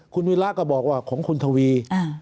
คุณวีระก็บอกว่าของคุณทวี